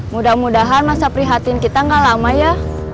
mudah mudahan masa prihatin kita gak lama ya